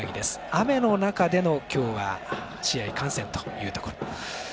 雨の中での、今日は試合観戦というところ。